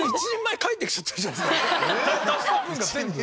出した分が全部。